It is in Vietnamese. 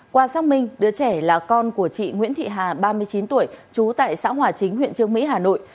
qua xác minh đứa trẻ là con của chị nguyễn thị hà ba mươi chín tuổi trú tại xã hòa chính huyện trương mỹ hà nội